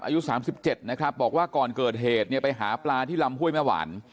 อายุ๓๗นะครับบอกว่าก่อนเกิดเหตุเนี่ยไปหาปลาที่ลำห้วยแม่หวาน